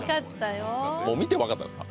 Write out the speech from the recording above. もう見て分かったんですか？